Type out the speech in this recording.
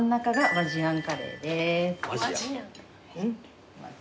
和ジアン。